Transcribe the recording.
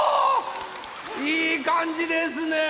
いいかんじですね！